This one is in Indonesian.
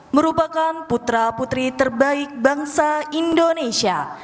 merupakan putra putri terbaik bangsa indonesia